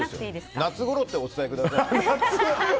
夏ごろとお伝えください。